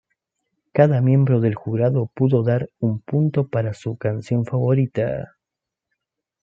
Cada miembro del jurado pudo dar un punto para su canción favorita.